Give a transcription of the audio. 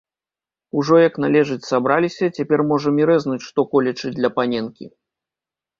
Ужо як належыць сабраліся, цяпер можам і рэзнуць што-колечы для паненкі.